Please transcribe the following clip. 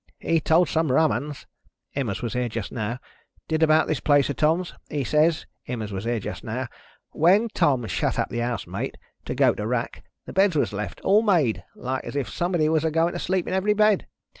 He told some rum 'uns him as was here just now, did about this place of Tom's. He says him as was here just now 'When Tom shut up the house, mate, to go to rack, the beds was left, all made, like as if somebody was a going to sleep in every bed.